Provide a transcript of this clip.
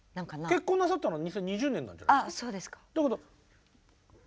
結婚なさったのは２０２０年なんじゃないですか。